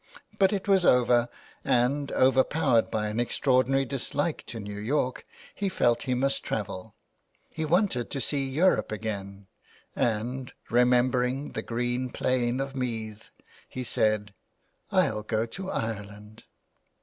But it was over, and, overpowered by an extraordinary dislike to New York, he felt he must travel. He wanted to see Europe again, and remembering the green plain of Meath, he said :—'* I'll go to Ireland.'